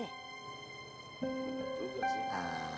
itu juga sih